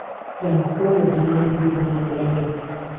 لەمەککە و مەدینان بوو بە نان گرانی